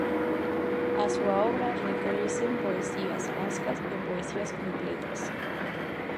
A súa obra recóllese en Poesías, Lascas e Poesías completas.